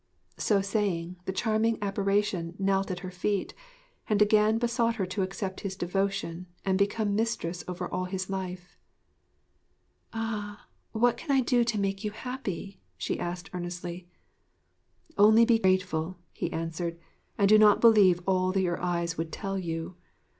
So saying, the charming apparition knelt at her feet, and again besought her to accept his devotion and become mistress over all his life. 'Ah! What can I do to make you happy?' she asked earnestly. 'Only be grateful,' he answered, 'and do not believe all that your eyes would tell you.